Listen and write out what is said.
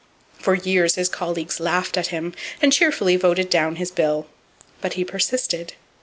For years his colleagues laughed at him, and cheerfully voted down his bill. But he persisted.